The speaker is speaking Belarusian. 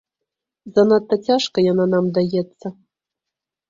Занадта цяжка яна нам даецца.